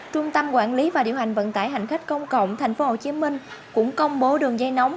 trung tâm quản lý và điều hành vận tải hành khách công cộng tp hcm cũng công bố đường dây nóng